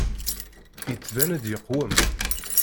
Yettbin-d yeqwem.